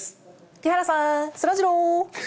木原さん、そらジロー。